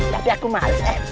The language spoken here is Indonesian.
tapi aku malas